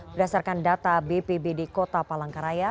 berdasarkan data bpbd kota palangkaraya